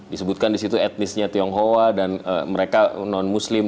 disebutkan di situ etnisnya tionghoa dan mereka non muslim